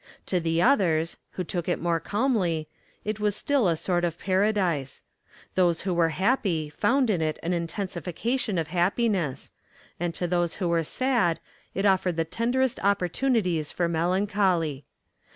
To the others, who took it more calmly, it was still a sort of paradise. Those who were happy found in it an intensification of happiness, and to those who were sad it offered the tenderest opportunities for melancholy.